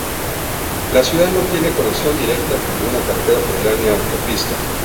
La ciudad no tiene conexión directa con ninguna carretera federal ni autopista.